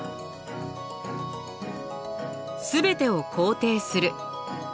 すべてを肯定する。